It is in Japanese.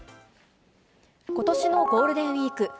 ことしのゴールデンウィーク。